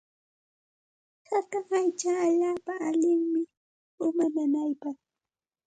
Haka aycha allaapa allinmi uma nanaypaq.